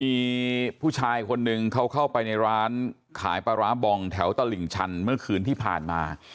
มีผู้ชายคนหนึ่งเขาเข้าไปในร้านขายปลาร้าบองแถวตลิ่งชันเมื่อคืนที่ผ่านมา